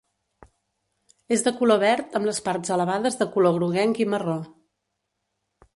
És de color verd amb les parts elevades de color groguenc i marró.